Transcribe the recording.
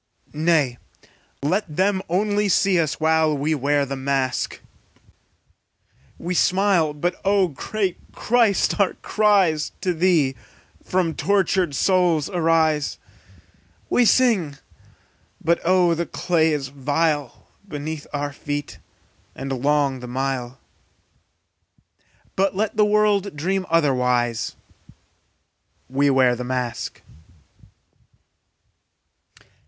Nay, let them only see us, while We wear the mask. We smile, but, O great Christ, our cries To thee from tortured souls arise. We sing, but oh the clay is vile Beneath our feet, and long the mile; But let the world dream otherwise, We wear the mask!